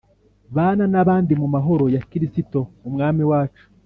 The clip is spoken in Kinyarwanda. bana nabandi mu mahoro ya kirisito umwami wacu